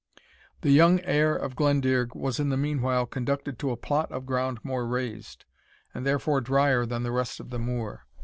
The young heir of Glendearg was in the meanwhile conducted to a plot of ground more raised, and therefore drier than the rest of the moor.